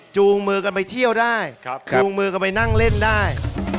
จูงมือกันไปเที่ยวได้จูงมือกันไปนั่งเล่นได้